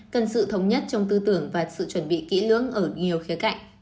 cần sự thống nhất trong tư tưởng và sự chuẩn bị kỹ lưỡng ở nhiều khía cạnh